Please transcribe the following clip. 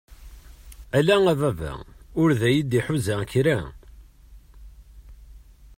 Ala a baba ur d ay-d-iḥuza kra!